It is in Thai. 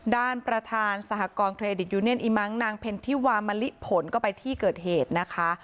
ด้านประธานสหกรณเครดิตยูเนียนอิมังนางเพ็ญที่วามะลิผลก็ไปที่เกิดเหตุนะคะ